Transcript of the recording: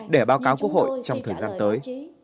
để báo cáo quốc hội trong thời gian tới